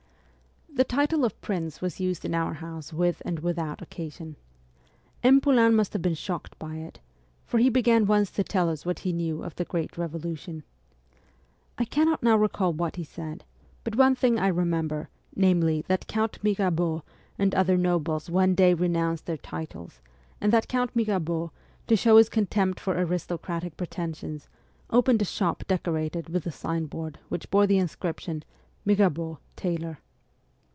The title of prince was used in our house with and without occasion. M. Poulain must have been shocked by it, for he began once to tell us what he knew of the great Revolution. I cannot now recall what he said, but one thing I remember, namely, that ' Count Mirabeau ' and other nobles one day renounced their titles, and that Count Mirabeau, to show his contempt for aristocratic pretensions, opened a shop decorated with a signboard which bore the inscription, ' Mirabeau, tailor.'